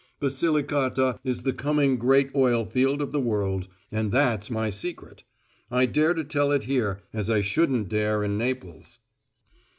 Basilicata is the coming great oil field of the world and that's my secret. I dare to tell it here, as I shouldn't dare in Naples."